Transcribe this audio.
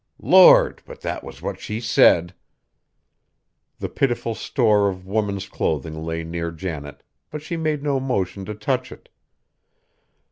Lord! but that was what she said." The pitiful store of woman's clothing lay near Janet, but she made no motion to touch it.